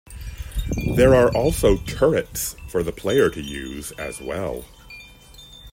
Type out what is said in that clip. There are also turrets for the player to use as well.